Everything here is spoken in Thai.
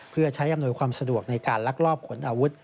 เพื่อใช้อำนวยความสะดวกในการลักลอบขนอาวุธ